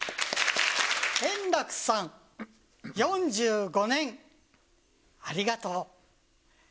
円楽さん、４５年ありがとう。